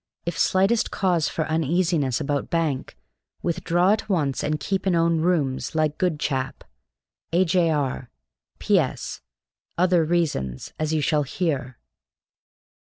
_ If slightest cause for uneasiness about bank, withdraw at once and keep in own rooms like good chap, "A. J. R. "P. S. Other reasons, as you shall hear."